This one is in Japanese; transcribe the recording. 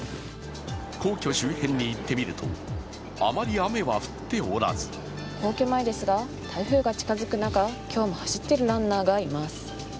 皇居周辺に行ってみると、あまり雨は降っておらず皇居前ですが台風が近づく中今日も走ってるランナーがいます。